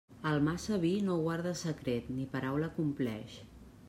El massa vi no guarda secret ni paraula compleix.